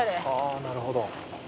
あなるほど。